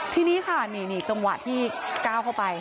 ทีนี้ค่ะนี่จังหวะที่ก้าวเข้าไป